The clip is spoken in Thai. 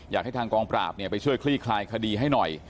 อยากให้ทางกองปราบไปช่วยคลี่คลายคดีให้หน่อย